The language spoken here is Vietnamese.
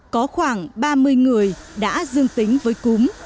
có khoảng ba mươi người đã dương tính với cúm